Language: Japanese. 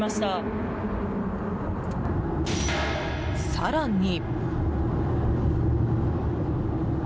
更に。